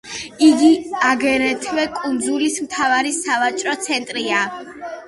იგი აგრეთვე კუნძულის მთავარი სავაჭრო ცენტრია.